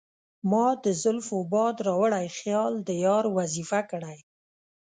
مــــــا د زلفو باد راوړی خیــــــال د یار وظیفه کـــــړی